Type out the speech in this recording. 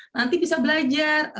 nanti bisa belajar